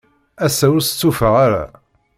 Ass-a, ur stufaɣ ara.